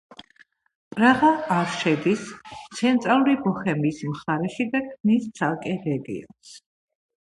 პრაღა არ შედის ცენტრალური ბოჰემიის მხარეში და ქმნის ცალკე რეგიონს.